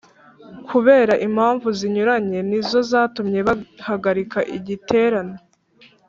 kubera impamvu zinyuranye nizo zatumye bahagarika igiterane